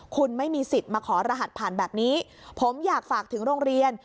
คุณไม่มีสิทธิ์มาขอรหัสผ่านแบบนี้ผมอยากฝากถึงโรงเรียน